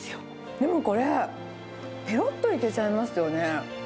でもこれ、ぺろっといけちゃいますよね。